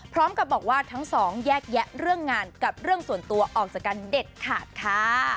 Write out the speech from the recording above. พร้อมกับบอกว่าทั้งสองแยกแยะเรื่องงานกับเรื่องส่วนตัวออกจากกันเด็ดขาดค่ะ